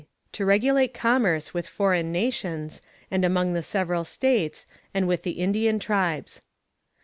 To regulate commerce with foreign nations, and among the several States, and with the Indian tribes.